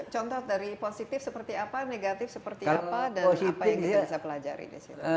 contoh dari positif seperti apa negatif seperti apa dan apa yang kita bisa pelajari di situ